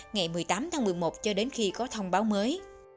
ngày một mươi tám tháng một mươi một cho đến khi có thông báo mới